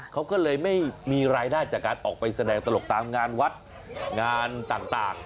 เขาก็เลยไม่มีรายได้จากการออกไปแสดงตลกตามงานวัดงานต่าง